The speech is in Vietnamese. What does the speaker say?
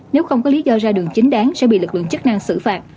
nếu không có lý do ra đường chính đáng sẽ bị lực lượng chức năng xử phạt